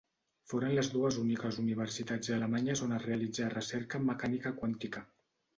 Foren les dues úniques universitats alemanyes on es realitzà recerca en mecànica quàntica.